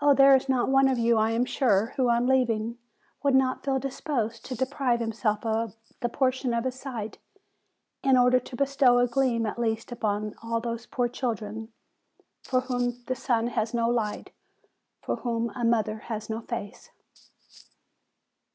there is not one of you, I am sure, who, on leaving, would not feel disposed to deprive himself of a portion of his own sight, in order to bestow a gleam at least upon all those poor children, for whom the sun has no light, for whom a mother has no face!"